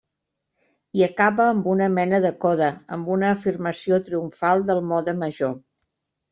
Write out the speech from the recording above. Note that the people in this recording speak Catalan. I acaba amb una mena de coda, amb una afirmació triomfal del mode major.